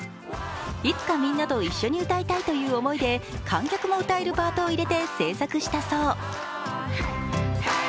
いつかみんなと一緒に歌いたいという思いで観客も歌えるパートを入れて制作したそう。